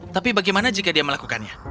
tapi bagaimana jika dia melakukannya